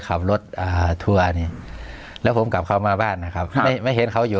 ขับรถอ่าทัวร์นี่แล้วผมกลับเข้ามาบ้านนะครับไม่ไม่เห็นเขาอยู่